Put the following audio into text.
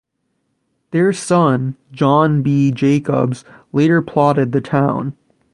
Their son John B. Jacobs later plotted the town.